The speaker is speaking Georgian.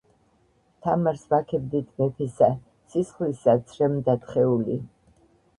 თამარს ვაქებდეთ მეფესა, სისხლისა ცრემლ-დათხეული